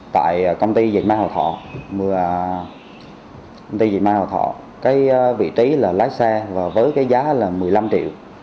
tại công ty diệt mai hòa thọ vị trí là lái xe với giá một mươi năm triệu